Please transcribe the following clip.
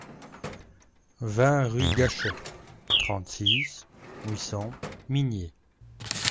vingt rue Gachet, trente-six, huit cents, Migné